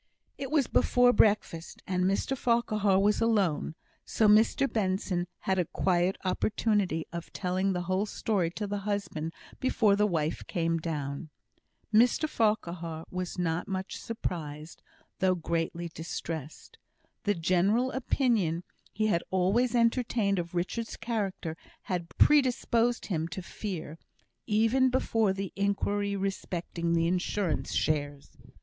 It was before breakfast, and Mr Farquhar was alone; so Mr Benson had a quiet opportunity of telling the whole story to the husband before the wife came down. Mr Farquhar was not much surprised, though greatly distressed. The general opinion he had always entertained of Richard's character had predisposed him to fear, even before the inquiry respecting the Insurance shares.